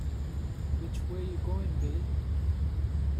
Which Way You Goin' Billy?